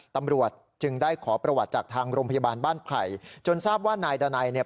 ตำรวจจึงได้ขอประวัติจากทางโรงพยาบาลบ้านไผ่จนทราบว่านายดานัยเนี่ย